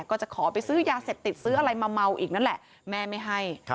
ก็จะขอไปซื้อยาเสพติดซื้ออะไรมาเมาอีกนั่นแหละแม่ไม่ให้